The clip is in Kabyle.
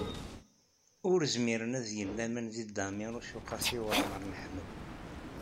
Ur zmiren ad gen laman deg Dda Ɛmiiruc u Qasi Waɛmer n Ḥmed.